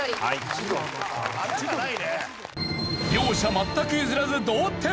両者全く譲らず同点！